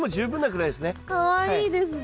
かわいいですね。